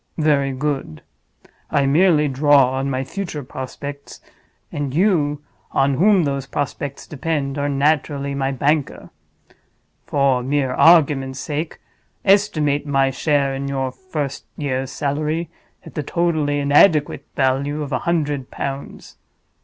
Very good. I merely draw on my future prospects; and you, on whom those prospects depend, are naturally my banker. For mere argument's sake, estimate my share in your first year's salary at the totally inadequate value of a hundred pounds.